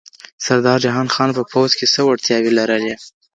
سردار جهان خان په پوځ کي څه وړتیاوې لرلې؟